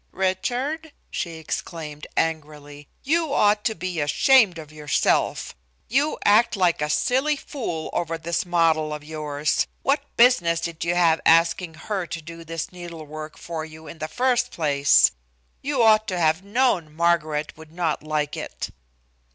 "Richard," she exclaimed angrily, "you ought to be ashamed of yourself. You act like a silly fool over this model of yours. What business did you have asking her to do this needlework for you in the first place? You ought to have known Margaret would not like it."